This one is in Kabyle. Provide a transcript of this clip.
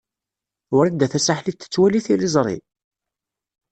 Wrida Tasaḥlit tettwali tiliẓri?